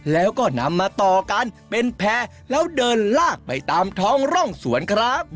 แล้วก็นำมาต่อกันเป็นแพร่แล้วเดินลากไปตามท้องร่องสวนครับ